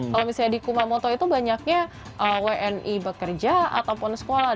kalau misalnya di kumamoto itu banyaknya wni bekerja ataupun sekolah